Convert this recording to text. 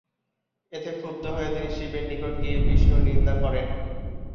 এতে ক্ষুব্ধ হয়ে তিনি শিবের নিকট গিয়ে বিষ্ণুর নিন্দা করেন।